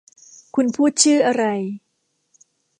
คุณพูดชื่ออะไร